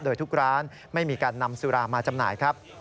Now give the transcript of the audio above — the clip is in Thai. โดยทุกร้านไม่มีการนำสุรามาจำหน่ายครับ